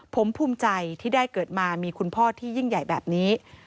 ผมภูมิใจที่ได้เกิดมามีคุณพ่อที่ยิ่งใหญ่แบบนี้